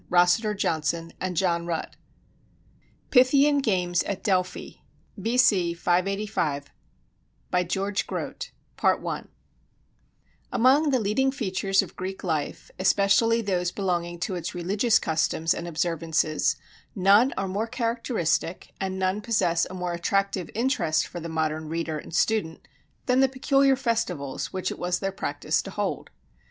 End of the Book of the Great Decease PYTHIAN GAMES AT DELPHI B.C. 585 GEORGE GROTE Among the leading features of Greek life, especially those belonging to its religious customs and observances none are more characteristic, and none possess a more attractive interest for the modern reader and student than the peculiar festivals which it was their practice to hold.